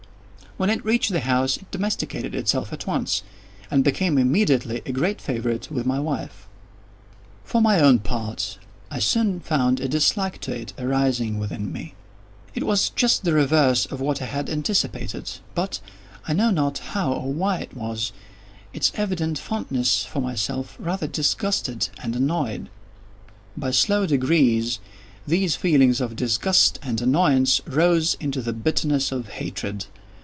When it reached the house it domesticated itself at once, and became immediately a great favorite with my wife. For my own part, I soon found a dislike to it arising within me. This was just the reverse of what I had anticipated; but—I know not how or why it was—its evident fondness for myself rather disgusted and annoyed. By slow degrees, these feelings of disgust and annoyance rose into the bitterness of hatred.